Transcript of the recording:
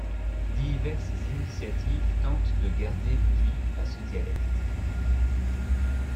Diverses initiatives tentent de garder vie à ce dialecte.